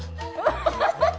ハハハハ！